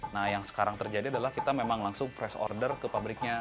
nah yang sekarang terjadi adalah kita memang langsung fresh order ke pabriknya